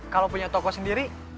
kalau punya toko sendiri